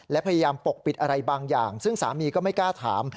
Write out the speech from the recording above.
และพยายามปกปิดอะไรบางอย่างซึ่งสามีก็ไม่กล้าถาม